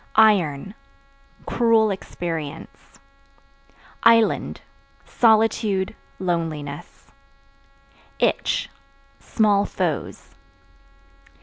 Iron Cruel experience. Island Solitude, loneliness. Itch Small foes.